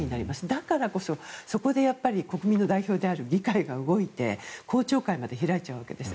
だからこそ、そこで国民の代表である議会が動いて公聴会まで開いちゃうわけです。